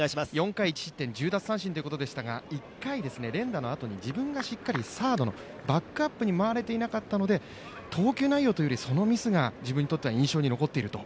４回１失点１０奪三振ということでしたが、１回、連打のあとに自分がしっかりサードのバックアップに回れていなかったので投球内容というよりそのミスが自分にとっては印象に残っていると。